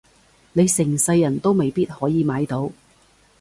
你成世人都未必可以買到